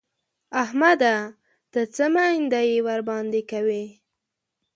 احمده! ته څه مينده يي ورباندې کوې؟!